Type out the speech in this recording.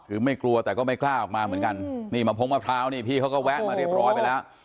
คือไม่กลัวแต่ก็ไม่กล้าออกมาเหมือนกันนี่มะพงมะพร้าวนี่พี่เขาก็แวะมาเรียบร้อยไปแล้ว